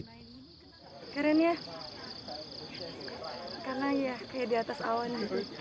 karena ya kayak di atas awan